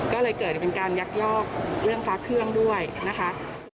ก็เลยเกิดเป็นการยักยอกเรื่องฟ้าเครื่องด้วยนะคะ